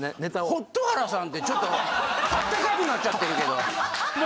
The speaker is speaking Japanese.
ホット原さんってちょっとあったかくなっちゃってるけど。